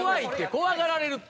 怖がられるって。